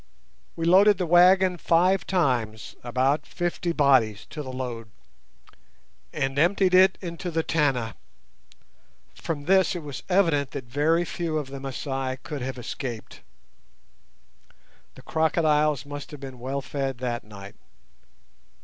We loaded the wagon five times, about fifty bodies to the load, and emptied it into the Tana. From this it was evident that very few of the Masai could have escaped. The crocodiles must have been well fed that night.